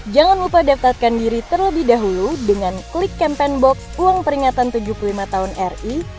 jangan lupa daftarkan diri terlebih dahulu dengan klik campaign box uang peringatan tujuh puluh lima tahun ri